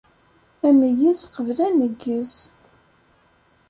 Ameyyez qbel aneggez